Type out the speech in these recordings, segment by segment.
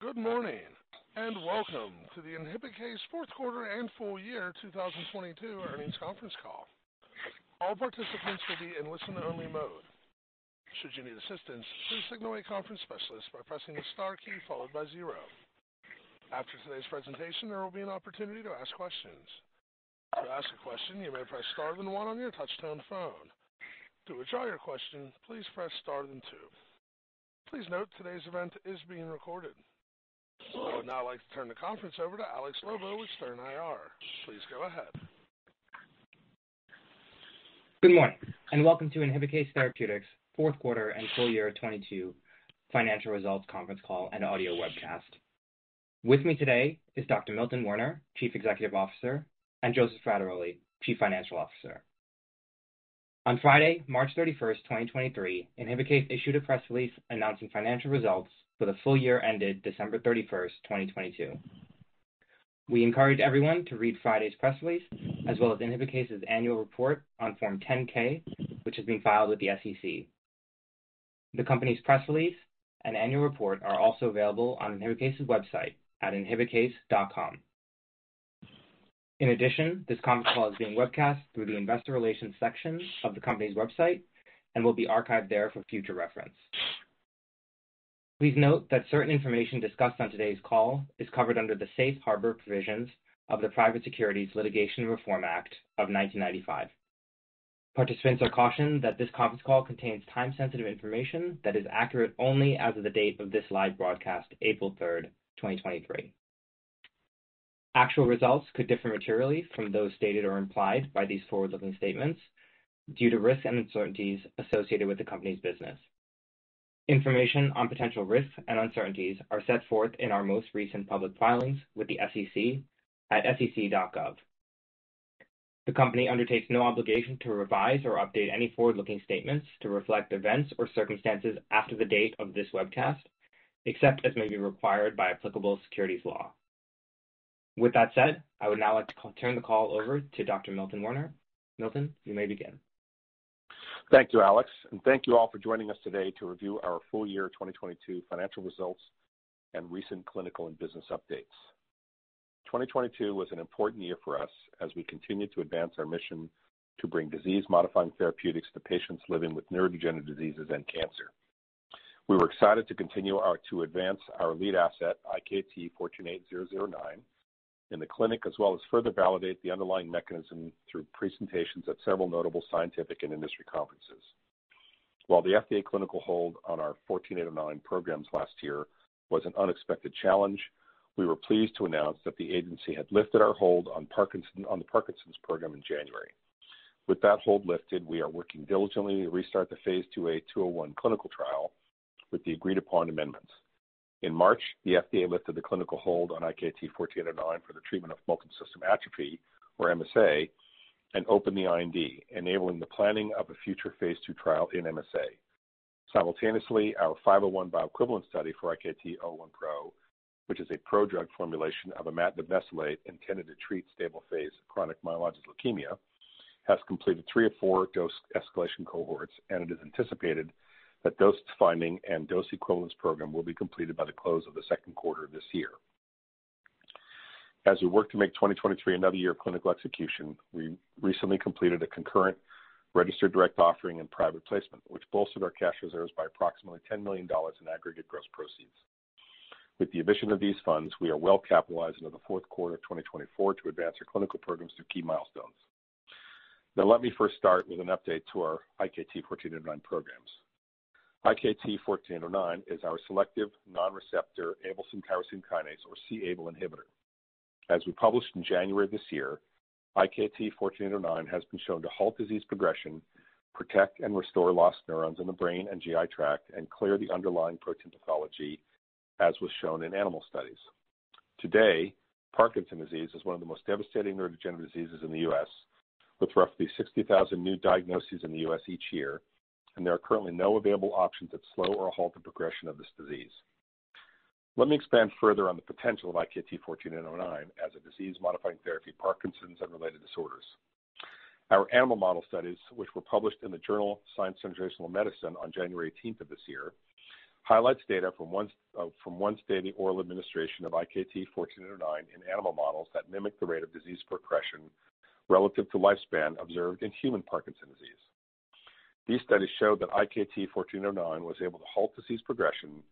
Good morning, welcome to the Inhibikase Fourth Quarter and Full Year 2022 Earnings Conference Call. All participants will be in listen only mode. Should you need assistance, please signal a conference specialist by pressing the star key followed by zero. After today's presentation, there will be an opportunity to ask questions. To ask a question, you may press star then one on your touchtone phone. To withdraw your question, please press star then two. Please note today's event is being recorded. I would now like to turn the conference over to Alex Lobo with Stern IR. Please go ahead. Good morning, welcome to Inhibikase Therapeutics fourth quarter and full year 2022 financial results conference call and audio webcast. With me today is Dr. Milton Werner, Chief Executive Officer, and Joseph Frattaroli, Chief Financial Officer. On Friday, March 31st, 2023, Inhibikase issued a press release announcing financial results for the full year ended December 31st, 2022. We encourage everyone to read Friday's press release as well as Inhibikase's annual report on Form 10-K, which is being filed with the SEC. The company's press release and annual report are also available on Inhibikase's website at inhibikase.com. This conference call is being webcast through the investor relations section of the company's website and will be archived there for future reference. Please note that certain information discussed on today's call is covered under the Safe Harbor Provisions of the Private Securities Litigation Reform Act of 1995. Participants are cautioned that this conference call contains time-sensitive information that is accurate only as of the date of this live broadcast, April 3rd, 2023. Actual results could differ materially from those stated or implied by these forward-looking statements due to risks and uncertainties associated with the company's business. Information on potential risks and uncertainties are set forth in our most recent public filings with the SEC at sec.gov. The company undertakes no obligation to revise or update any forward-looking statements to reflect events or circumstances after the date of this webcast, except as may be required by applicable securities law. With that said, I would now like to turn the call over to Dr. Milton Werner. Milton, you may begin. Thank you, Alex, and thank you all for joining us today to review our full year 2022 financial results and recent clinical and business updates. 2022 was an important year for us as we continued to advance our mission to bring disease modifying therapeutics to patients living with neurodegenerative diseases and cancer. We were excited to continue to advance our lead asset, IkT-148009, in the clinic as well as further validate the underlying mechanism through presentations at several notable scientific and industry conferences. While the FDA clinical hold on our IkT-148009 programs last year was an unexpected challenge, we were pleased to announce that the agency had lifted our hold on the Parkinson's program in January. With that hold lifted, we are working diligently to restart the Phase 2a 201 clinical trial with the agreed upon amendments. In March, the FDA lifted the clinical hold on IkT-148009 for the treatment of multiple system atrophy or MSA and opened the IND, enabling the planning of a future Phase II trial in MSA. Simultaneously, our 501 bioequivalence study for IkT-001Pro, which is a prodrug formulation of imatinib mesylate intended to treat stable phase chronic myelogenous leukemia, has completed three of four dose escalation cohorts. It is anticipated that dose finding and dose equivalence program will be completed by the close of the second quarter of this year. As we work to make 2023 another year of clinical execution, we recently completed a concurrent registered direct offering and private placement, which bolstered our cash reserves by approximately $10 million in aggregate gross proceeds. With the addition of these funds, we are well capitalized into the fourth quarter of 2024 to advance our clinical programs through key milestones. Now let me first start with an update to our IkT-148009 programs. IkT-148009 is our selective non-receptor Abelson Tyrosine Kinase or c-Abl inhibitor. As we published in January of this year, IkT-148009 has been shown to halt disease progression, protect and restore lost neurons in the brain and GI tract, and clear the underlying protein pathology, as was shown in animal studies. Today, Parkinson's disease is one of the most devastating neurodegenerative diseases in the U.S., with roughly 60,000 new diagnoses in the U.S. each year. There are currently no available options that slow or halt the progression of this disease. Let me expand further on the potential of IkT-148009 as a disease modifying therapy for Parkinson's and related disorders. Our animal model studies, which were published in the journal Science Translational Medicine on January 18th of this year, highlights data from one steady oral administration of IkT-148009 in animal models that mimic the rate of disease progression relative to lifespan observed in human Parkinson's disease. These studies show that IkT-148009 was able to halt disease progression,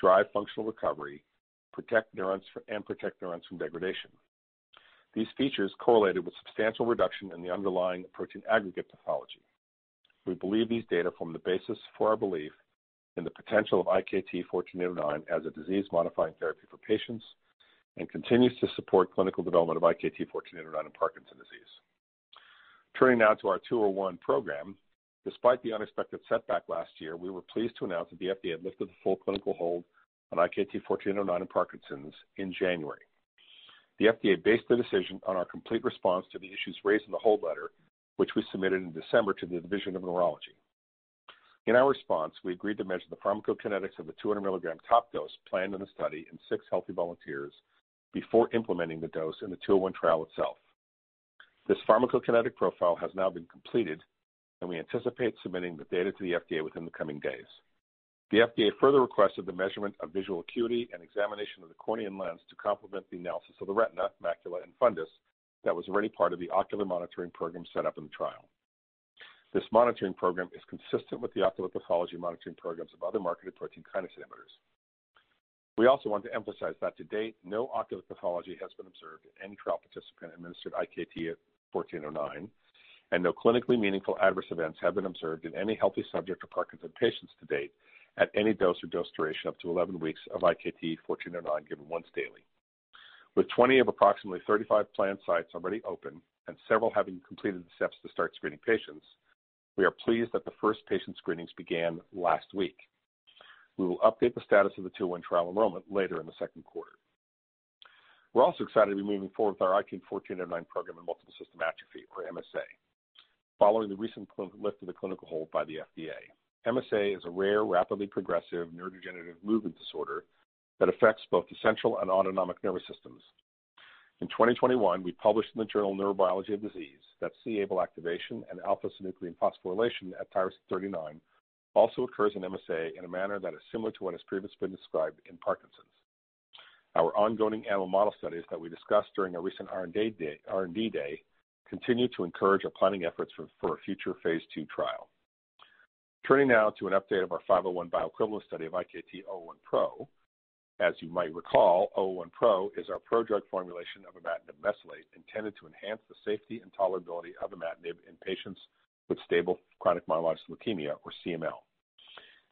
drive functional recovery, and protect neurons from degradation. These features correlated with substantial reduction in the underlying protein aggregate pathology. We believe these data form the basis for our belief in the potential of IkT-148009 as a disease modifying therapy for patients and continues to support clinical development of IkT-148009 in Parkinson's disease. Turning now to our Phase 2a 201 program. Despite the unexpected setback last year, we were pleased to announce that the FDA had lifted the full clinical hold on IkT-148009 in Parkinson's in January. The FDA based the decision on our complete response to the issues raised in the hold letter, which we submitted in December to the Division of Neurology I. In our response, we agreed to measure the pharmacokinetics of the 200 milligram top dose planned in the study in six healthy volunteers before implementing the dose in the Phase 2a trial itself. This pharmacokinetic profile has now been completed, and we anticipate submitting the data to the FDA within the coming days. The FDA further requested the measurement of visual acuity and examination of the cornea and lens to complement the analysis of the retina, macula, and fundus that was already part of the ocular monitoring program set up in the trial. This monitoring program is consistent with the ocular pathology monitoring programs of other marketed protein kinase inhibitors. We also want to emphasize that to date, no ocular pathology has been observed in any trial participant administered IkT-148009, and no clinically meaningful adverse events have been observed in any healthy subject or Parkinson's patients to date at any dose or dose duration up to 11 weeks of IkT-148009 given once daily. With 20 of approximately 35 planned sites already open and several having completed the steps to start screening patients, we are pleased that the first patient screenings began last week. We will update the status of the 201 trial enrollment later in the second quarter. We're also excited to be moving forward with our IkT-148009 program in multiple system atrophy or MSA following the recent lift of the clinical hold by the FDA. MSA is a rare, rapidly progressive neurodegenerative movement disorder that affects both the central and autonomic nervous systems. In 2021, we published in the journal Neurobiology of Disease that c-Abl activation and alpha-synuclein phosphorylation at tyrosine 39 also occurs in MSA in a manner that is similar to what has previously been described in Parkinson's. Our ongoing animal model studies that we discussed during our recent R&D day continue to encourage our planning efforts for a future Phase II trial. Turning now to an update of our bioequivalence study of IkT-001Pro. As you might recall, IkT-001Pro is our prodrug formulation of imatinib mesylate intended to enhance the safety and tolerability of imatinib in patients with stable chronic myelogenous leukemia or CML.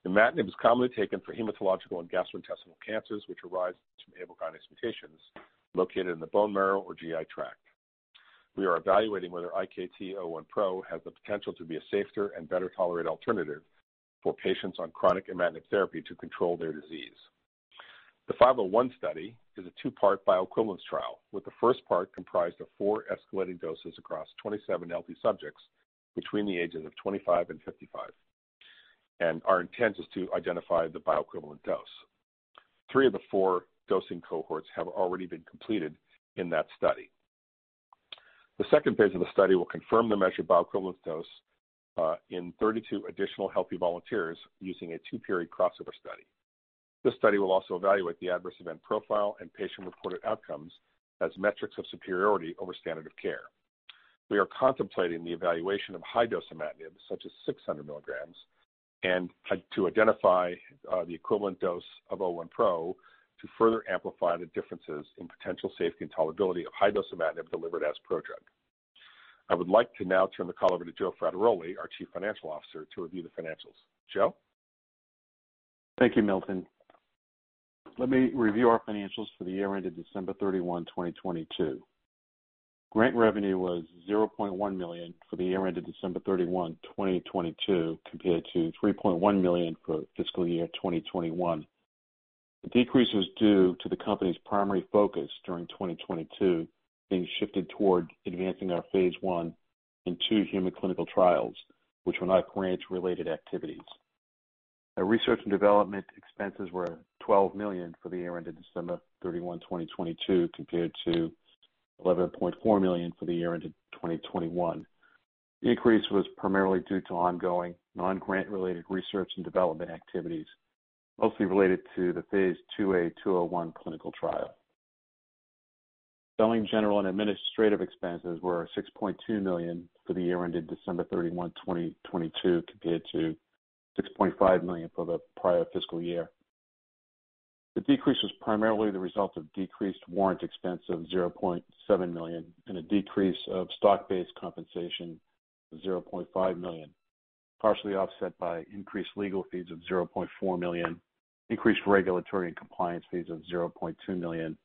Imatinib is commonly taken for hematological and gastrointestinal cancers, which arise from Abl kinase mutations located in the bone marrow or GI tract. We are evaluating whether IkT-001Pro has the potential to be a safer and better-tolerated alternative for patients on chronic imatinib therapy to control their disease. The 501 study is a two-part bioequivalence trial, with the first part comprised of four escalating doses across 27 healthy subjects between the ages of 25 and 55. Our intent is to identify the bioequivalent dose. Three of the four dosing cohorts have already been completed in that study. The second phase of the study will confirm the measured bioequivalent dose in 32 additional healthy volunteers using a two-period crossover study. This study will also evaluate the adverse event profile and patient-reported outcomes as metrics of superiority over standard of care. We are contemplating the evaluation of high-dose imatinib, such as 600 milligrams, and to identify the equivalent dose of IkT-001Pro to further amplify the differences in potential safety and tolerability of high-dose imatinib delivered as prodrug. I would like to now turn the call over to Joe Frattaroli, our Chief Financial Officer, to review the financials. Joe? Thank you, Milton. Let me review our financials for the year ended December 31, 2022. Grant revenue was $0.1 million for the year ended December 31, 2022, compared to $3.1 million for fiscal year 2021. The decrease was due to the company's primary focus during 2022 being shifted toward advancing our Phase I and II human clinical trials, which were not grant-related activities. Our research and development expenses were $12 million for the year ended December 31, 2022, compared to $11.4 million for the year ended 2021. The increase was primarily due to ongoing non-grant-related research and development activities, mostly related to the Phase 2a 201 clinical trial. Selling, general, and administrative expenses were $6.2 million for the year ended December 31, 2022, compared to $6.5 million for the prior fiscal year. The decrease was primarily the result of decreased warrant expense of $0.7 million and a decrease of stock-based compensation of $0.5 million, partially offset by increased legal fees of $0.4 million, increased regulatory and compliance fees of $0.2 million,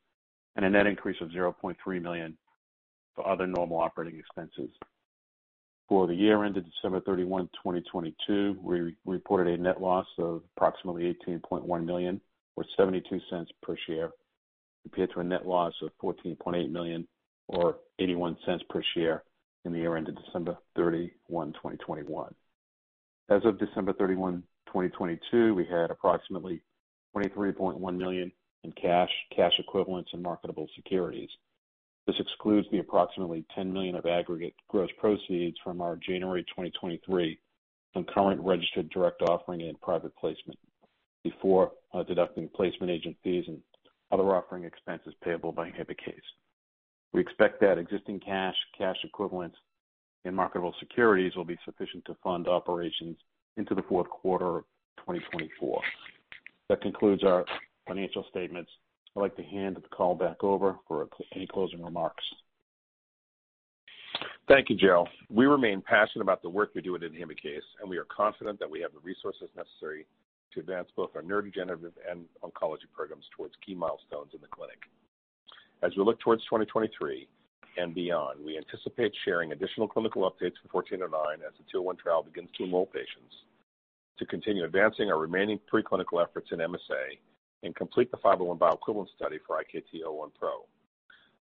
and a net increase of $0.3 million for other normal operating expenses. For the year ended December 31, 2022, we reported a net loss of approximately $18.1 million, or $0.72 per share, compared to a net loss of $14.8 million, or $0.81 per share in the year ended December 31, 2021. As of December 31, 2022, we had approximately $23.1 million in cash equivalents, and marketable securities. This excludes the approximately $10 million of aggregate gross proceeds from our January 2023 concurrent registered direct offering and private placement before deducting placement agent fees and other offering expenses payable by Inhibikase. We expect that existing cash equivalents, and marketable securities will be sufficient to fund operations into the fourth quarter of 2024. That concludes our financial statements. I'd like to hand the call back over for any closing remarks. Thank you, Joe. We remain passionate about the work we do at Inhibikase, we are confident that we have the resources necessary to advance both our neurodegenerative and oncology programs towards key milestones in the clinic. As we look towards 2023 and beyond, we anticipate sharing additional clinical updates for IkT-148009 as the Phase 2a trial begins to enroll patients to continue advancing our remaining preclinical efforts in MSA and complete the 501 bioequivalence study for IkT-001Pro.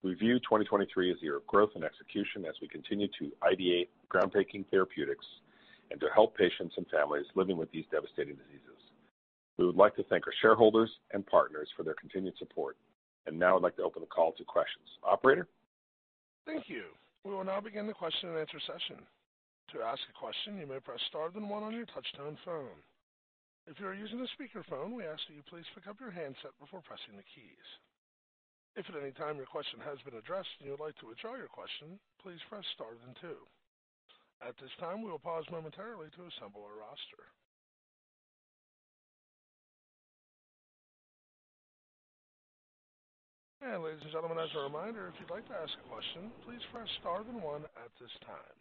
We view 2023 as a year of growth and execution as we continue to ideate groundbreaking therapeutics and to help patients and families living with these devastating diseases. We would like to thank our shareholders and partners for their continued support. Now I'd like to open the call to questions. Operator? Thank you. We will now begin the question and answer session. To ask a question, you may press star then one on your touchtone phone. If you are using a speakerphone, we ask that you please pick up your handset before pressing the keys. If at any time your question has been addressed and you would like to withdraw your question, please press star then two. At this time, we will pause momentarily to assemble our roster. Ladies and gentlemen, as a reminder, if you'd like to ask a question, please press star then one at this time.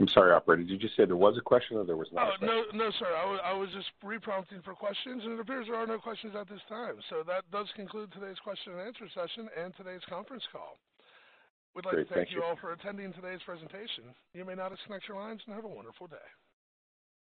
I'm sorry, operator, did you say there was a question or there was none? No, sir. I was just re-prompting for questions and it appears there are no questions at this time. That does conclude today's question and answer session and today's conference call. Great. Thank you. We'd like to thank you all for attending today's presentation. You may now disconnect your lines and have a wonderful day.